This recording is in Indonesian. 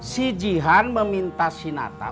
si jihan meminta si nata